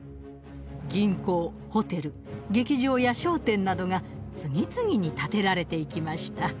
銀行ホテル劇場や商店などが次々に建てられていきました。